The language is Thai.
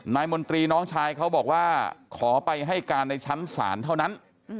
มนตรีน้องชายเขาบอกว่าขอไปให้การในชั้นศาลเท่านั้น